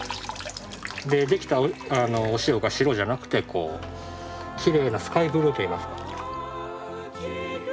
でできたお塩が白じゃなくてきれいなスカイブルーといいますか。